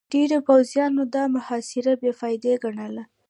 ډېرو پوځيانو دا محاصره بې فايدې ګڼله.